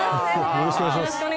よろしくお願いします